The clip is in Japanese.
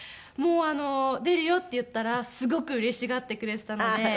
もう「出るよ」って言ったらすごくうれしがってくれてたので。